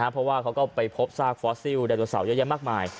เพราะว่าเขาก็ไปพบซากฟอสซิลไดโนเสาร์เยอะแยะมากมาย